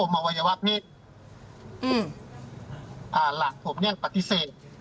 อมวัยวรรณ์ที่หลานผมปฏิเสธ